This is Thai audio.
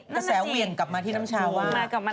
กระแสเหวี่ยงกลับมาที่น้ำชาว่า